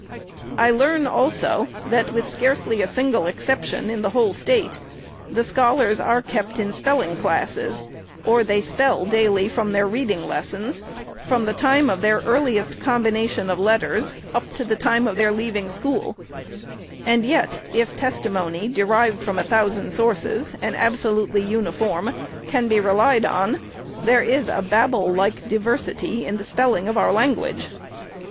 I learn, also, that, with scarcely a single exception in the whole State, the scholars are kept in spelling classes, or they spell daily from their reading lessons, from the time of their earliest combination of letters, up to the time of their leaving school ; and yet, if testimony, derived from a thousand sources, and absolutely uniform, can be relied on, there is a Babel like diversity in the spelling of our language.